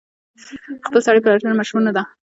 خپلسري پلټنه مشروع نه ده.